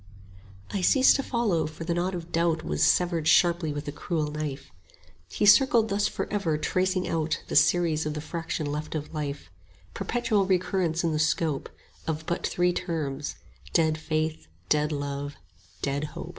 I ceased to follow, for the knot of doubt Was severed sharply with a cruel knife: He circled thus forever tracing out 45 The series of the fraction left of Life; Perpetual recurrence in the scope Of but three terms, dead Faith, dead Love, dead Hope.